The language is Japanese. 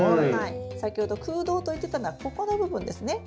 先ほど空洞と言ってたのはここの部分ですね。